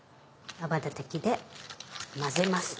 泡立て器で混ぜます。